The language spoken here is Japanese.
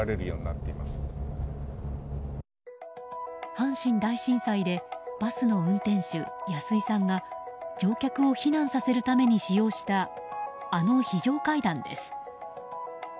阪神大震災でバスの運転手・安井さんが乗客を避難させるために使用したあの非常階段です。